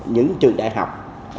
những trường đại học